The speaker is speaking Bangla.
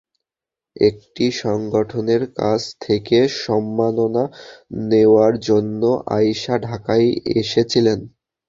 একটি সংগঠনের কাছ থেকে সম্মাননা নেওয়ার জন্য আয়শা ঢাকায় এসেছিলেন।